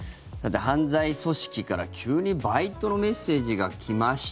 犯罪組織から急にバイトのメッセージが来ました。